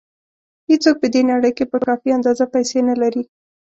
هېڅوک په دې نړۍ کې په کافي اندازه پیسې نه لري.